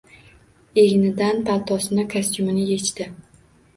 Egnidan paltosini, kostyumini yechdi.